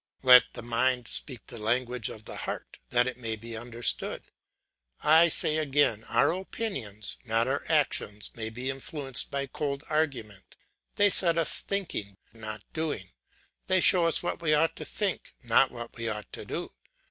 Let the mind speak the language of the heart, that it may be understood. I say again our opinions, not our actions, may be influenced by cold argument; they set us thinking, not doing; they show us what we ought to think, not what we ought to do.